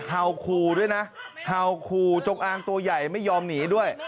เห่าขู่ด้วยนะเห่าขู่จงอางตัวใหญ่ไม่ยอมหนีด้วย